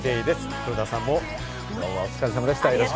黒田さんも昨日はお疲れさまでした。